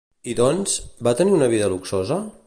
I doncs, va tenir una vida luxosa?